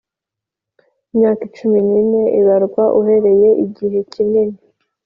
Imyaka cumi n ine ibarwa uhereye igihe kinini